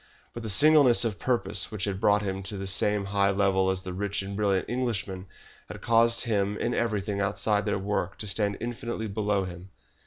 But the singleness of purpose which had brought him to the same high level as the rich and brilliant Englishman, had caused him in everything outside their work to stand infinitely below him.